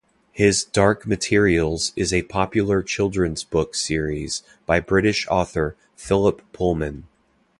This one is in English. His Dark Materials is a popular children's book series by British author Philip Pullman.